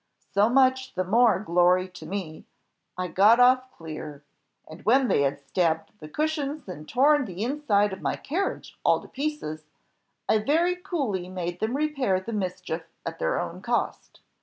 So much the more glory to me. I got off clear; and, when they had stabbed the cushions, and torn the inside of my carriage all to pieces, I very coolly made them repair the mischief at their own cost.